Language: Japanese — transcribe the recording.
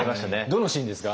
どのシーンですか？